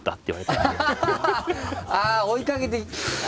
ああ追いかけて。